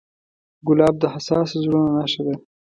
ګلاب د حساسو زړونو نښه ده.